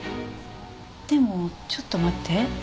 でもちょっと待って。